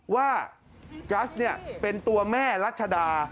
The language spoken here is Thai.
ว่ากัสเป็นตัวแม่รัชดา